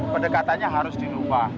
pedekatannya harus dilupa